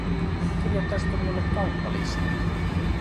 Kirjoittaisitko minulle kauppalistan